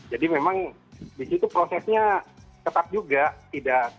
jadi memang disitu prosesnya ketat juga